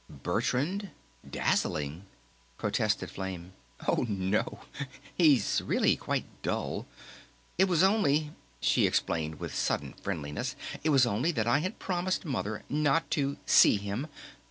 "Bertrand ... dazzling?" protested Flame. "Oh, no! He's really quite dull.... It was only," she explained with sudden friendliness, "It was only that I had promised Mother not to 'see' him....